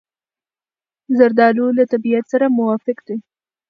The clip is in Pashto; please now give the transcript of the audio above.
زردالو له طبیعت سره موافق دی.